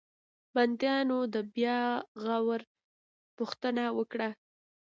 بنديانو د بیا غور غوښتنه وکړه.